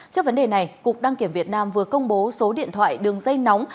trước vấn đề này cục đăng kiểm việt nam vừa công bố số điện thoại đường dây nóng